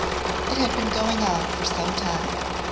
It had been going on for some time.